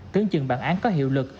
tướng chừng bản án có hiệu lực